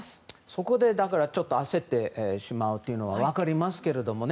そこで焦ってしまうというのは分かりますけどね。